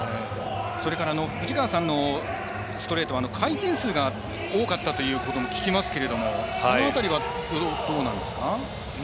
それから藤川さんのストレートは回転数が多かったということも聞きますけれどもその辺りはどうなんですか？